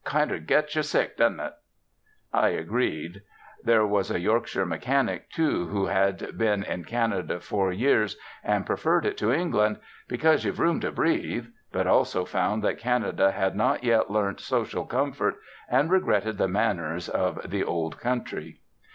Kind'er gets yer sick, doesn't it?" I agreed. There was a Yorkshire mechanic, too, who had been in Canada four years, and preferred it to England, "because you've room to breathe," but also found that Canada had not yet learnt social comfort, and regretted the manners of "the Old Country."